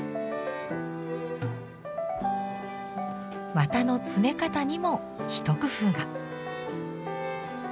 綿の詰め方にも一工夫が。